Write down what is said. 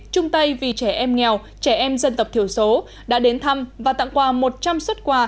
trung tây vì trẻ em nghèo trẻ em dân tộc thiểu số đã đến thăm và tặng quà một trăm linh xuất quà